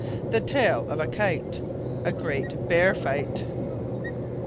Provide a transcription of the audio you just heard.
THE TALE OF A KITE A GREAT BEAR FIGHT.